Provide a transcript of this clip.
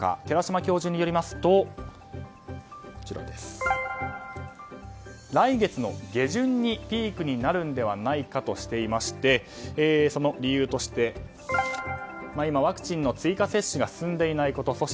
寺嶋教授によりますと来月下旬にピークになるのではないかとしていましてその理由として今、ワクチンの追加接種が進んでいないこと。